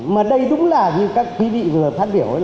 mà đây đúng là như các quý vị vừa phát biểu